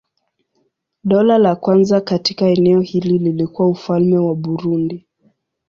Dola la kwanza katika eneo hili lilikuwa Ufalme wa Burundi.